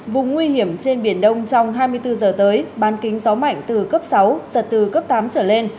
vùng nguy hiểm trên biển đông trong hai mươi bốn giờ tới bán kính gió mạnh từ cấp sáu giật từ cấp tám trở lên